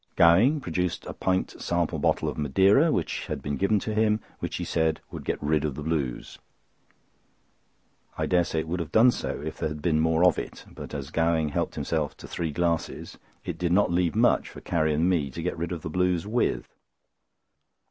Gowing produced a pint sample bottle of Madeira, which had been given him, which he said would get rid of the blues. I dare say it would have done so if there had been more of it; but as Gowing helped himself to three glasses, it did not leave much for Carrie and me to get rid of the blues with.